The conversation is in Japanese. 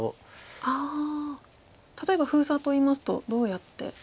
あ例えば封鎖といいますとどうやって。